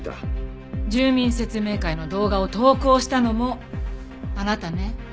住民説明会の動画を投稿したのもあなたね。